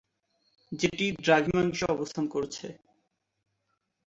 যেটি দ্রাঘিমাংশে অবস্থান করছে।